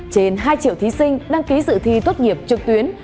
trên hai triệu thí sinh đăng ký dự thi tốt nghiệp trực tuyến